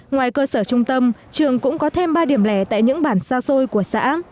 ngoài cơ sở trung tâm trường cũng có thêm ba điểm lẻ tại những bản xa xôi của xã